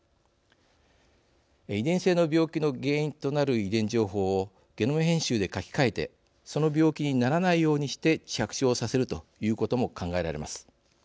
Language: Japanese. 遺伝性の病気の原因となる遺伝情報をゲノム編集で書き換えて、その病気にならないようにして着床させるということも考えられます。